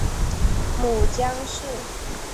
母江氏。